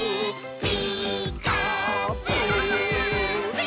「ピーカーブ！」